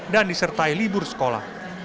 dan disertai libur sehari